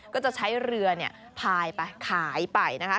ก็จะใช้เรือพายไปขายไปนะคะ